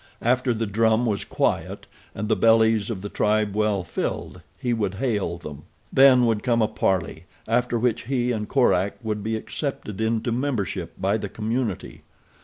After the drum was quiet and the bellies of the tribe well filled he would hail them. Then would come a parley, after which he and Korak would be accepted into membership by the community.